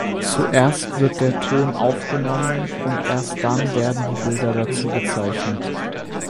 Zuerst wird der Ton aufgenommen und erst dann werden die Bilder dazu gezeichnet.